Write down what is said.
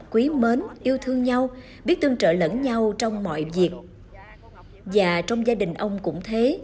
quý mến yêu thương nhau biết tương trợ lẫn nhau trong mọi việc và trong gia đình ông cũng thế